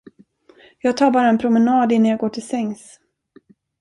Jag tar bara en promenad, innan jag går till sängs.